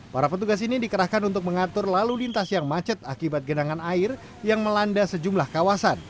para petugas ini dikerahkan untuk mengatur lalu lintas yang macet akibat genangan air yang melanda sejumlah kawasan